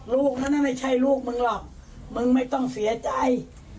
ลูกนั้นไม่ใช่ลูกมึงหรอกมึงไม่ต้องเสียใจ